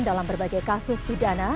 dalam berbagai kasus pidana